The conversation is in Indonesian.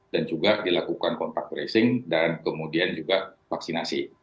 dan juga dilakukan contact tracing dan kemudian juga vaksinasi